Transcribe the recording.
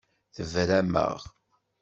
Tebram-aɣ.